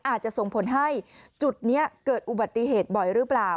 อาจจะส่งผลให้จุดนี้เกิดอุบัติเหตุบ่อยหรือเปล่า